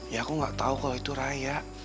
ya aku gak tau kalo itu raya